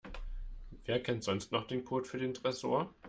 Wer kennt sonst noch den Code für den Tresor?